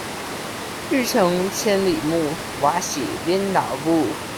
欲窮千里目，哇洗林老木